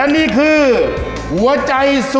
เนี่ย